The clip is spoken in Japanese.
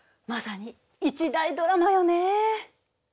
まさに一大ドラマよね。